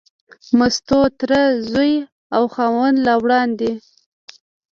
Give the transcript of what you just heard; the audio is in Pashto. مستو تر زوی او خاوند لا وړاندې.